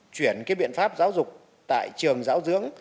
chuyển cái biện pháp giáo dục tại trường giáo dưỡng